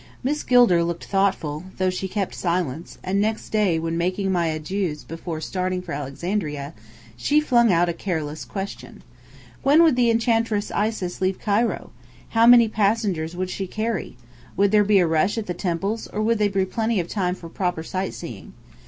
Miss Gilder looked thoughtful, though she kept silence: and next day, when making my adieux before starting for Alexandria, she flung out a careless question. When would the Enchantress Isis leave Cairo? How many passengers would she carry? Would there be a rush at the Temples, or would there be plenty of time for proper sightseeing?